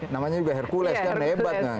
namanya juga hercules kan hebat